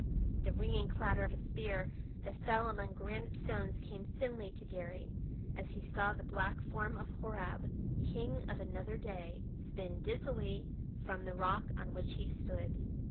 The ringing clatter of a spear that fell among granite stones came thinly to Garry as he saw the black form of Horab, king of another day, spin dizzily from the rock on which he stood.